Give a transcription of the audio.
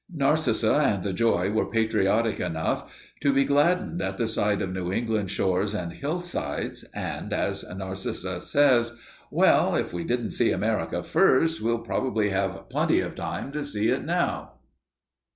Narcissa and the Joy were patriotic enough to be gladdened at the sight of New England shores and hillsides, and, as Narcissa says: "Well, if we didn't see America first, we'll probably have plenty of time to see it now."